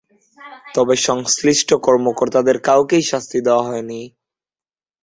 তবে সংশ্লিষ্ট কর্মকর্তাদের কাউকেই শাস্তি দেওয়া হয়নি।